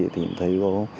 thì thấy có